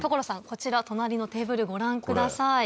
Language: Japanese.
こちら隣のテーブルご覧ください。